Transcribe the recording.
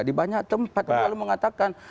di banyak tempat mengatakan